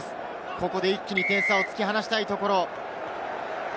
ここで一気に点差を突き放したいところ。